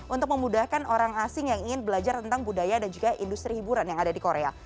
untuk memudahkan orang asing yang ingin belajar tentang budaya dan juga industri hiburan yang ada di korea